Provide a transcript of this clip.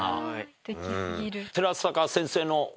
すてき過ぎる。